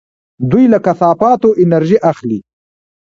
دوی له کثافاتو انرژي اخلي.